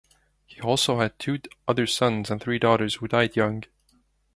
He also had two other sons and three daughters who died young.